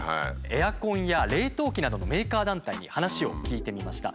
エアコンや冷凍機などのメーカー団体に話を聞いてみました。